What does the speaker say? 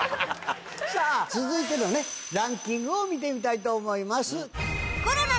さぁ続いてのランキングを見てみたいと思います。